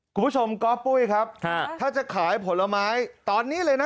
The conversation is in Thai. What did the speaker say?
คุณผู้ชมก๊อฟปุ้ยครับถ้าจะขายผลไม้ตอนนี้เลยนะ